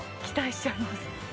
期待しちゃいます